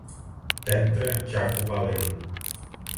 tetratiafulvaleno